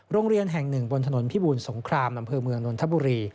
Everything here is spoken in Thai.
โรงเรียนแห่งหนึ่งบนถนนพิบูรสงครามอำเภอเมืองนนทบุรี